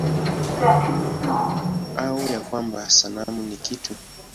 Au ya kwamba sanamu ni kitu?